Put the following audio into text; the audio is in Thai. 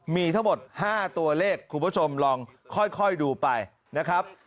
มีทั้งหมด๕ตัวเลขคุณผู้ชมลองค่อยดูไปนะครับ